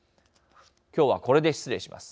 今日はこれで失礼します。